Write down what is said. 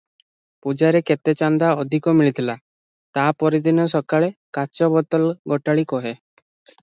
ପୂଜାରେ କେତେ ଚାନ୍ଦା ଅଧିକ ମିଳିଥିଲା ତା ପରଦିନ ସକାଳେ କାଚ ବୋତଲ ଗୋଟାଳି କହେ